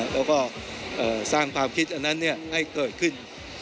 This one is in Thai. แล้วก็สร้างความคิดอันนั้นให้เกิดขึ้น